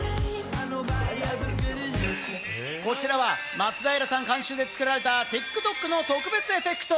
こちらは松平さん監修で作られたＴｉｋＴｏｋの特別エフェクト。